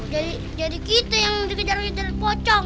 jadi jadi kita yang dikejar ngejar pocong